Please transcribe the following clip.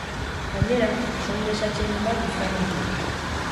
Gainera, usain desatsegin bat izan ohi du.